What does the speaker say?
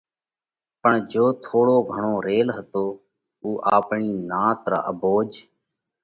پڻ جي ٿوڙو گھڻو ريل هتو اُو آپڻِي نات را اڀوج